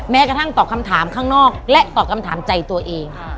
แม้กระทั่งตอบคำถามข้างนอกและตอบคำถามใจตัวเอง